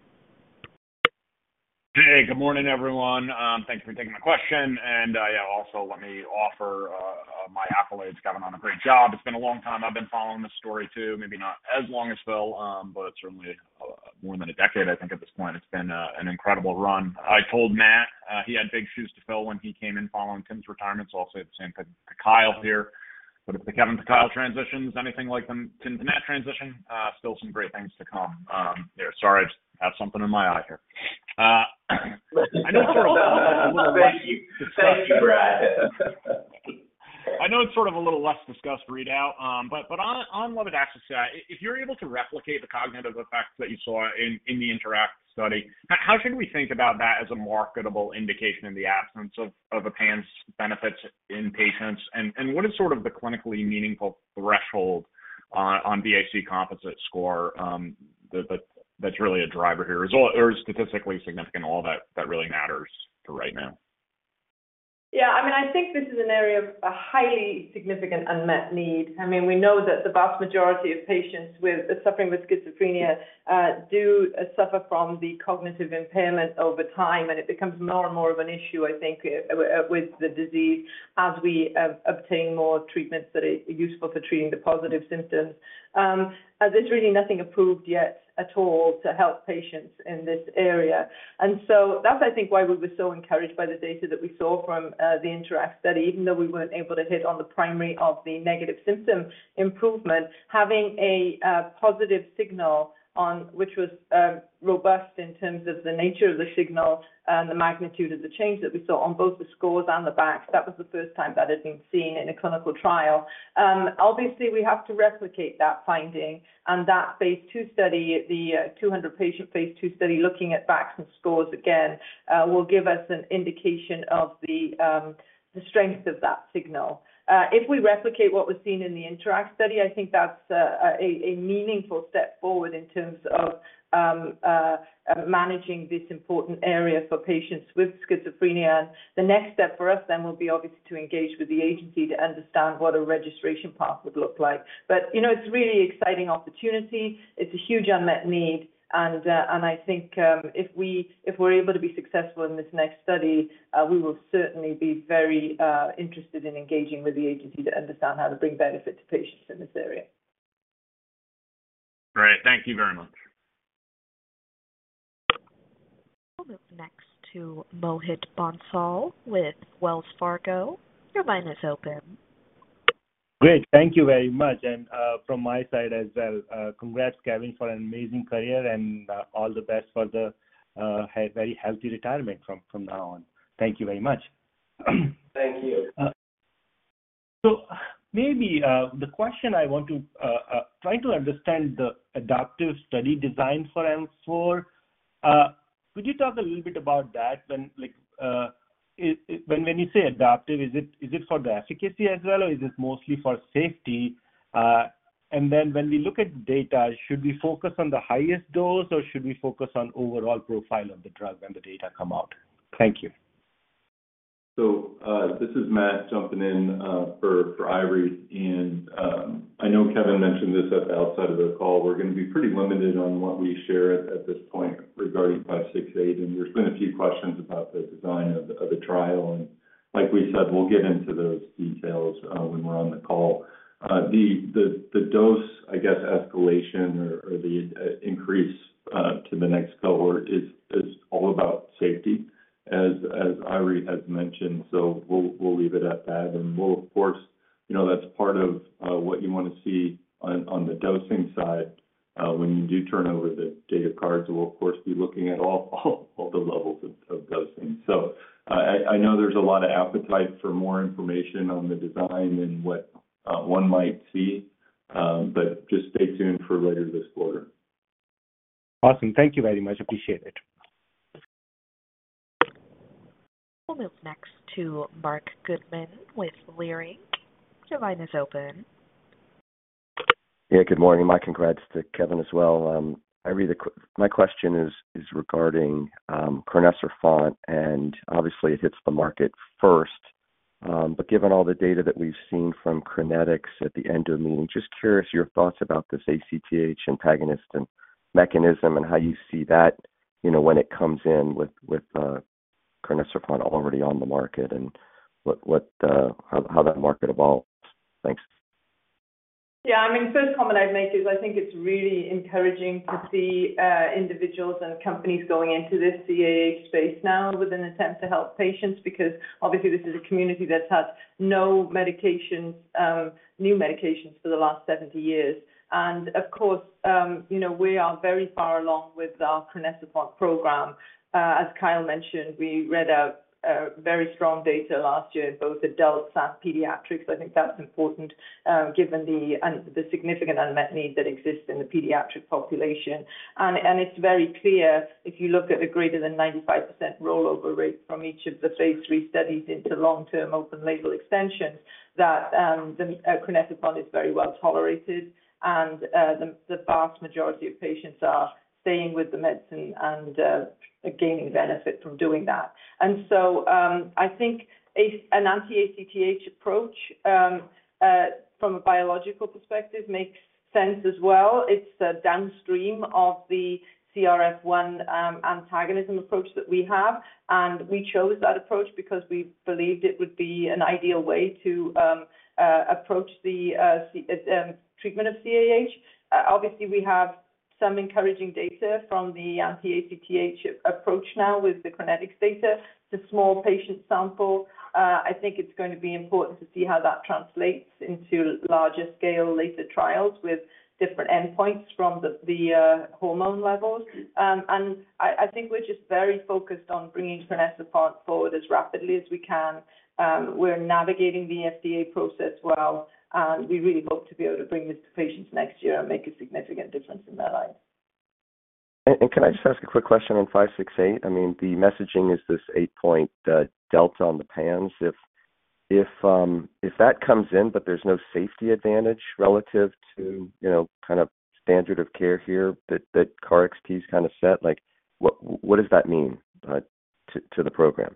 Hey, good morning, everyone. Thank you for taking my question. Yeah, also let me offer my accolades. Kevin, on a great job. It's been a long time I've been following this story, too. Maybe not as long as Phil, but certainly more than a decade, I think, at this point. It's been an incredible run. I told Matt he had big shoes to fill when he came in following Tim's retirement. So I'll say the same to Kyle here. But if the Kevin to Kyle transition is anything like the Tim to Matt transition, still some great things to come. Sorry, I just have something in my eye here. I know it's sort of a little less- Thank you. Thank you, Brad. I know it's sort of a little less discussed readout, but on limited access to that, if you're able to replicate the cognitive effects that you saw in the INTERACT study, how should we think about that as a marketable indication in the absence of a PANSS benefit in patients? What is sort of the clinically meaningful threshold on BACS composite score, that's really a driver here? Or statistically significant, all that really matters for right now. Yeah, I mean, I think this is an area of a highly significant unmet need. I mean, we know that the vast majority of patients suffering with schizophrenia do suffer from the cognitive impairment over time, and it becomes more and more of an issue, I think, with the disease as we obtain more treatments that are useful for treating the positive symptoms. There's really nothing approved yet at all to help patients in this area. So that's, I think, why we were so encouraged by the data that we saw from the INTERACT study, even though we weren't able to hit on the primary of the negative symptom improvement, having a positive signal on which was robust in terms of the nature of the signal and the magnitude of the change that we saw on both the scores and the BACS. That was the first time that had been seen in a clinical trial. Obviously, we have to replicate that finding and that phase II study, the 200-patient phase II study, looking at BACS and scores again, will give us an indication of the strength of that signal. If we replicate what was seen in the INTERACT study, I think that's a meaningful step forward in terms of managing this important area for patients with schizophrenia. The next step for us then will be, obviously, to engage with the agency to understand what a registration path would look like. But, you know, it's a really exciting opportunity. It's a huge unmet need. And I think, if we're able to be successful in this next study, we will certainly be very interested in engaging with the agency to understand how to bring benefit to patients in this area. Great. Thank you very much. We'll move next to Mohit Bansal with Wells Fargo. Your line is open. Great. Thank you very much. And, from my side as well, congrats, Kevin, for an amazing career and, all the best for the very healthy retirement from now on. Thank you very much. Thank you. So maybe the question I want to try to understand the adaptive study design for M4. Could you talk a little bit about that? When, like, when you say adaptive, is it for the efficacy as well, or is this mostly for safety? And then when we look at data, should we focus on the highest dose, or should we focus on overall profile of the drug when the data come out? Thank you. So, this is Matt jumping in for Eiry. And, I know Kevin mentioned this at the outside of the call. We're going to be pretty limited on what we share at this point regarding NBI-568, and there's been a few questions about the design of the trial. And- ...Like we said, we'll get into those details when we're on the call. The dose, I guess, escalation or the increase to the next cohort is all about safety, as Eiry has mentioned. So we'll leave it at that. And we'll of course, you know, that's part of what you want to see on the dosing side. When you do turn over the data cards, we'll of course be looking at all the levels of dosing. I know there's a lot of appetite for more information on the design and what one might see, but just stay tuned for later this quarter. Awesome. Thank you very much. Appreciate it. We'll move next to Marc Goodman with Leerink. Your line is open. Yeah, good morning. My congrats to Kevin as well. Eiry, my question is regarding crinecerfont, and obviously, it hits the market first. But given all the data that we've seen from Crinetics at the end of the meeting, just curious your thoughts about this ACTH antagonist and mechanism and how you see that, you know, when it comes in with crinecerfont already on the market and what, what the how, how that market evolves. Thanks. Yeah, I mean, first comment I'd make is I think it's really encouraging to see individuals and companies going into this CAH space now with an attempt to help patients, because obviously, this is a community that's had no medications, new medications for the last 70 years. And of course, you know, we are very far along with our crinecerfont program. As Kyle mentioned, we read out very strong data last year in both adults and pediatrics. I think that's important, given the significant unmet need that exists in the pediatric population. It's very clear, if you look at the greater than 95% rollover rate from each of the phase III studies into long-term open-label extensions, that the crinecerfont is very well tolerated, and the vast majority of patients are staying with the medicine and gaining benefit from doing that. And so, I think an anti-ACTH approach from a biological perspective makes sense as well. It's downstream of the CRF1 antagonism approach that we have, and we chose that approach because we believed it would be an ideal way to approach the treatment of CAH. Obviously, we have some encouraging data from the anti-ACTH approach now with the Crinetics data. It's a small patient sample. I think it's going to be important to see how that translates into larger scale later trials with different endpoints from the hormone levels. And I think we're just very focused on bringing crinecerfont forward as rapidly as we can. We're navigating the FDA process well, and we really hope to be able to bring this to patients next year and make a significant difference in their lives. Can I just ask a quick question on NBI-568? I mean, the messaging is this 8-point delta on the PANSS. If that comes in, but there's no safety advantage relative to, you know, kind of standard of care here, that KarXT's kind of set, like, what does that mean to the programs?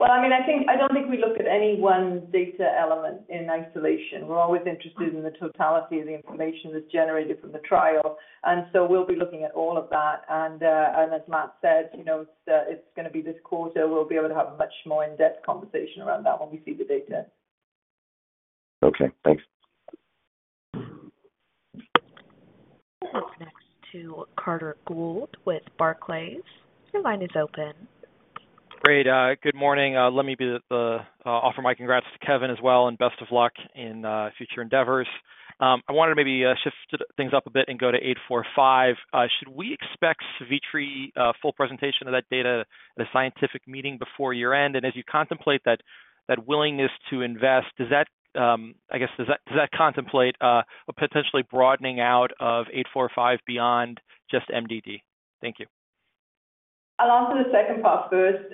Well, I mean, I think I don't think we look at any one data element in isolation. We're always interested in the totality of the information that's generated from the trial, and so we'll be looking at all of that. And as Matt said, you know, it's gonna be this quarter, we'll be able to have a much more in-depth conversation around that when we see the data. Okay, thanks. We'll move next to Carter Gould with Barclays. Your line is open. Great. Good morning. Let me offer my congrats to Kevin as well, and best of luck in future endeavors. I wanted to maybe shift things up a bit and go to 845. Should we expect SAVITRI full presentation of that data at a scientific meeting before year-end? And as you contemplate that willingness to invest, does that, I guess, contemplate a potentially broadening out of 845 beyond just MDD? Thank you. I'll answer the second part first.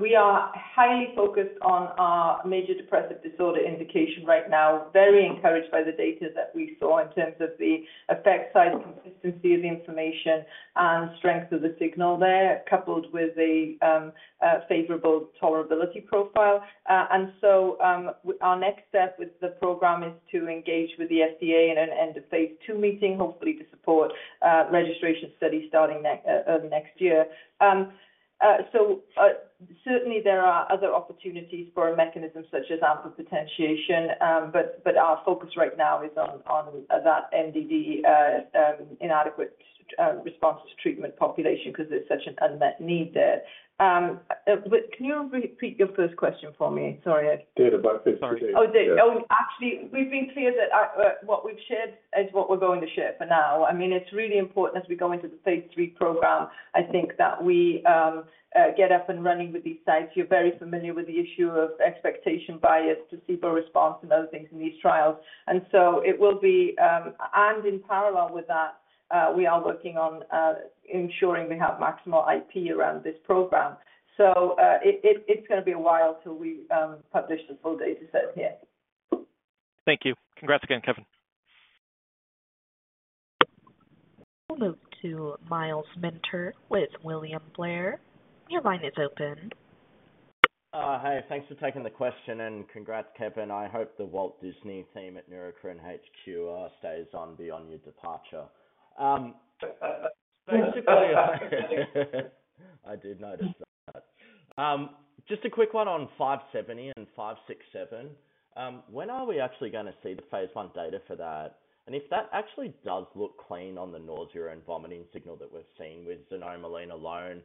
We are highly focused on our major depressive disorder indication right now. Very encouraged by the data that we saw in terms of the effect size, consistency of the information and strength of the signal there, coupled with a favorable tolerability profile. And so, our next step with the program is to engage with the FDA in an end-of-phase II meeting, hopefully to support registration study starting next year. So, certainly there are other opportunities for a mechanism such as AMPA potentiation, but our focus right now is on that MDD inadequate response to treatment population because there's such an unmet need there. But can you repeat your first question for me? Sorry. Data about 568. Oh, actually, we've been clear that what we've shared is what we're going to share for now. I mean, it's really important as we go into the phase III program, I think that we get up and running with these sites. You're very familiar with the issue of expectation bias, placebo response, and other things in these trials. And so it will be. And in parallel with that, we are working on ensuring we have maximal IP around this program. So, it's gonna be a while till we publish the full data set here. Thank you. Congrats again, Kevin. We'll move to Miles Minter with William Blair. Your line is open. Hi, thanks for taking the question, and congrats, Kevin. I hope the Walt Disney team at Neurocrine HQ stays on beyond your departure. I did notice that. Just a quick one on NBI-570 and NBI-567. When are we actually going to see the phase I data for that? And if that actually does look clean on the nausea and vomiting signal that we're seeing with xanomeline alone,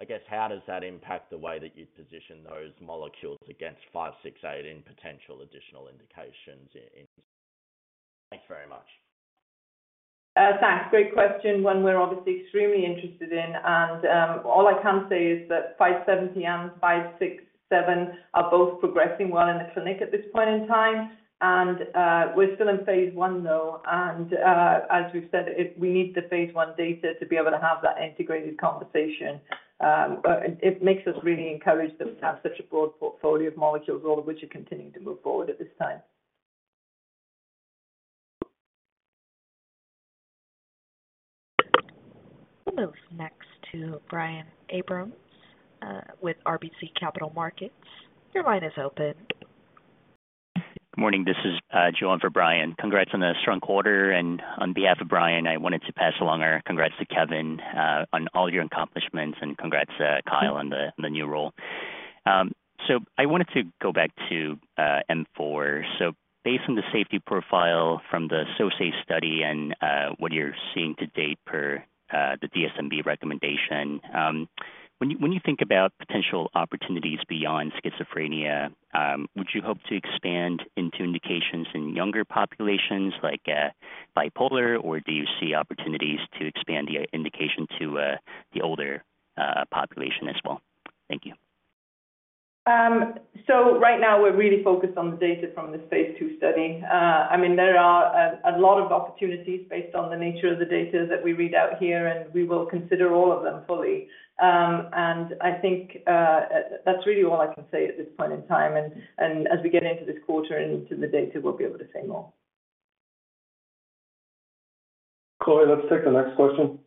I guess, how does that impact the way that you'd position those molecules against NBI-568 in potential additional indications in? Thanks very much. Thanks. Great question. One we're obviously extremely interested in, and all I can say is that 570 and 567 are both progressing well in the clinic at this point in time, and we're still in phase I, though. As we've said, we need the phase I data to be able to have that integrated conversation. But it makes us really encouraged that we have such a broad portfolio of molecules, all of which are continuing to move forward at this time. We'll move next to Brian Abrahams, with RBC Capital Markets. Your line is open. Good morning. This is Joan for Brian. Congrats on a strong quarter, and on behalf of Brian, I wanted to pass along our congrats to Kevin on all your accomplishments. And congrats Kyle on the new role. So I wanted to go back to M4. So based on the safety profile from the Associate study and what you're seeing to date per the DSMB recommendation, when you think about potential opportunities beyond schizophrenia, would you hope to expand into indications in younger populations like bipolar? Or do you see opportunities to expand the indication to the older population as well? Thank you. So right now, we're really focused on the data from the phase II study. I mean, there are a lot of opportunities based on the nature of the data that we read out here, and we will consider all of them fully. And I think, that's really all I can say at this point in time. And as we get into this quarter and into the data, we'll be able to say more. Chloe, let's take the next question.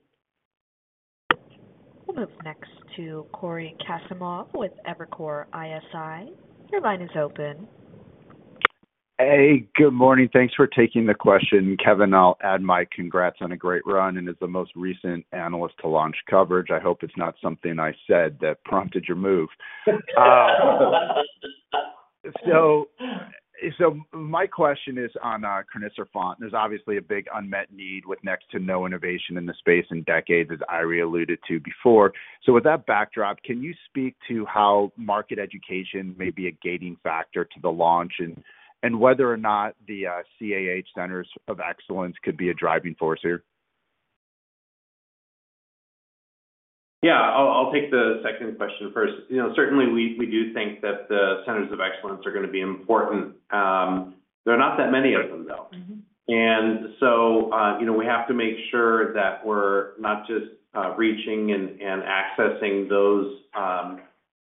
We'll move next to Corey Kasimov with Evercore ISI. Your line is open. Hey, good morning. Thanks for taking the question. Kevin, I'll add my congrats on a great run, and as the most recent analyst to launch coverage, I hope it's not something I said that prompted your move. So, my question is on crinecerfont. There's obviously a big unmet need with next to no innovation in the space in decades, as Eiry alluded to before. So with that backdrop, can you speak to how market education may be a gating factor to the launch and whether or not the CAH Centers of Excellence could be a driving force here? Yeah, I'll take the second question first. You know, certainly we do think that the Centers of Excellence are going to be important. There are not that many of them, though. Mm-hmm. You know, we have to make sure that we're not just reaching and accessing those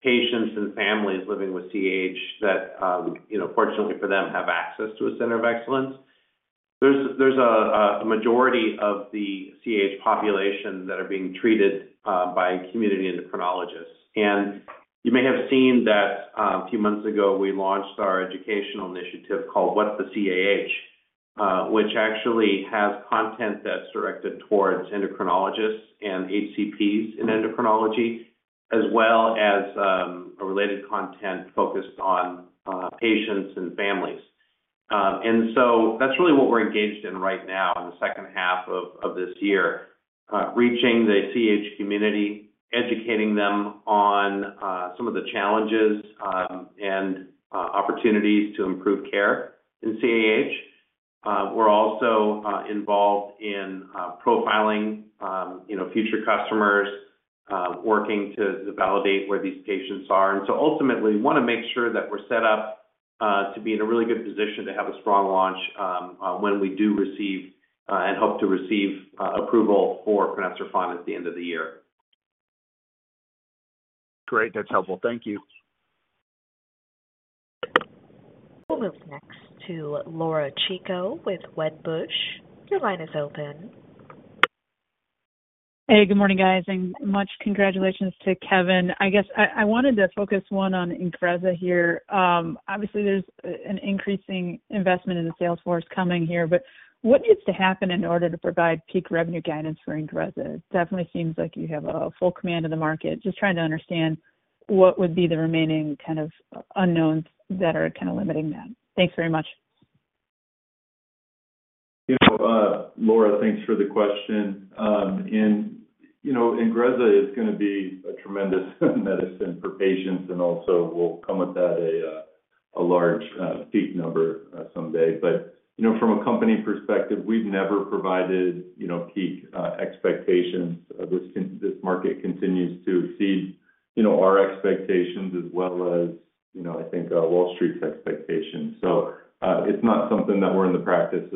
patients and families living with CAH that you know, fortunately for them, have access to a Center of Excellence. There's a majority of the CAH population that are being treated by community endocrinologists. You may have seen that a few months ago, we launched our educational initiative called What the CAH?!, which actually has content that's directed towards endocrinologists and HCPs in endocrinology, as well as a related content focused on patients and families. That's really what we're engaged in right now in the second half of this year, reaching the CAH community, educating them on some of the challenges and opportunities to improve care in CAH. We're also involved in profiling, you know, future customers, working to validate where these patients are. So ultimately, we want to make sure that we're set up to be in a really good position to have a strong launch when we do receive and hope to receive approval for crinecerfont at the end of the year. Great. That's helpful. Thank you. We'll move next to Laura Chico with Wedbush. Your line is open. Hey, good morning, guys, and much congratulations to Kevin. I guess I wanted to focus one on INGREZZA here. Obviously, there's an increasing investment in the sales force coming here, but what needs to happen in order to provide peak revenue guidance for INGREZZA? It definitely seems like you have a full command of the market. Just trying to understand what would be the remaining kind of unknowns that are kind of limiting that. Thanks very much. You know, Laura, thanks for the question. And, you know, INGREZZA is going to be a tremendous medicine for patients, and also will come with that, a large peak number someday. But, you know, from a company perspective, we've never provided, you know, peak expectations. This market continues to exceed, you know, our expectations as well as, you know, I think, Wall Street's expectations. So, it's not something that we're in the practice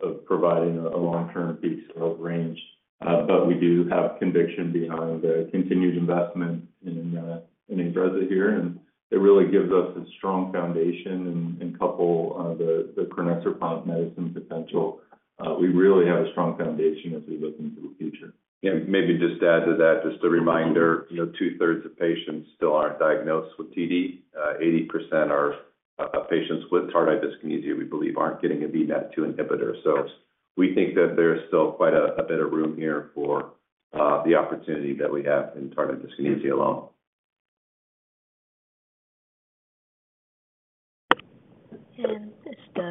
of providing a long-term peak sales range, but we do have conviction behind the continued investment in INGREZZA here, and it really gives us a strong foundation and couple the crinecerfont medicine potential. We really have a strong foundation as we look into the future. Maybe just to add to that, just a reminder, you know, two-thirds of patients still aren't diagnosed with TD. 80% are-... patients with tardive dyskinesia, we believe, aren't getting a VMAT2 inhibitor. So we think that there's still quite a bit of room here for the opportunity that we have in tardive dyskinesia alone.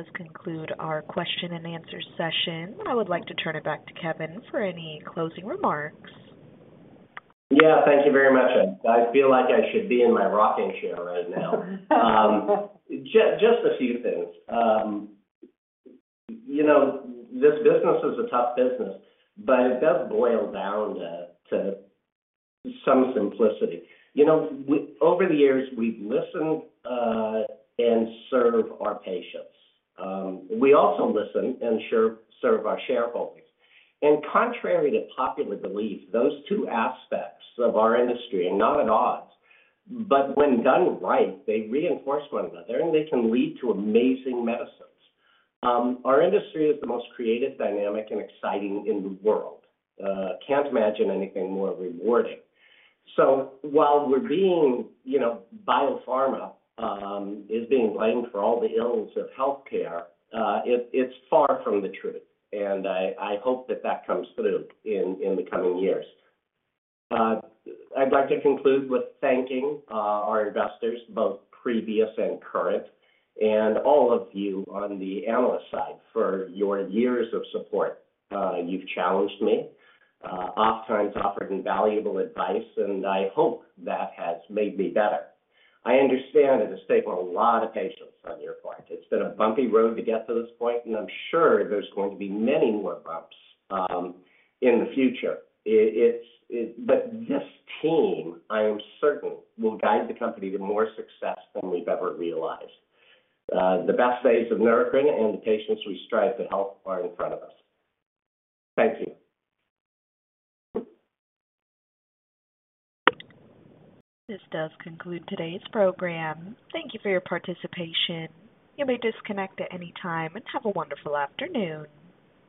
This does conclude our question and answer session. I would like to turn it back to Kevin for any closing remarks. Yeah, thank you very much. I feel like I should be in my rocking chair right now. Just a few things. You know, this business is a tough business, but it does boil down to some simplicity. You know, we—over the years, we've listened and serve our patients. We also listen and serve our shareholders. Contrary to popular belief, those two aspects of our industry are not at odds, but when done right, they reinforce one another, and they can lead to amazing medicines. Our industry is the most creative, dynamic, and exciting in the world. Can't imagine anything more rewarding. So while we're being, you know, biopharma is being blamed for all the ills of healthcare, it's far from the truth, and I hope that that comes through in the coming years. I'd like to conclude with thanking our investors, both previous and current, and all of you on the analyst side for your years of support. You've challenged me, oftentimes offered invaluable advice, and I hope that has made me better. I understand it has taken a lot of patience on your part. It's been a bumpy road to get to this point, and I'm sure there's going to be many more bumps in the future. It's but this team, I am certain, will guide the company to more success than we've ever realized. The best days of Neurocrine and the patients we strive to help are in front of us. Thank you. This does conclude today's program. Thank you for your participation. You may disconnect at any time, and have a wonderful afternoon.